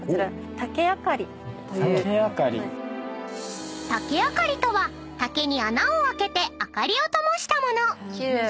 ［竹あかりとは竹に穴を開けて灯りを灯した物］